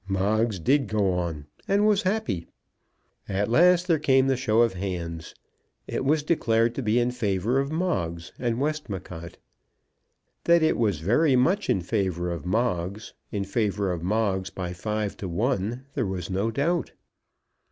Moggs did go on, and was happy. At last there came the show of hands. It was declared to be in favour of Moggs and Westmacott. That it was very much in favour of Moggs, in favour of Moggs by five to one, there was no doubt.